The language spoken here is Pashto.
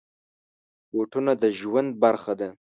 بوټونه د ژوند برخه ده.